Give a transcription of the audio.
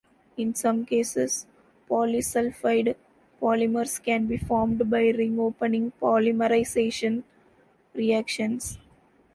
In some cases, polysulfide polymers can be formed by ring-opening polymerization reactions.